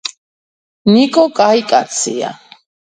ნიკო კაი კაცია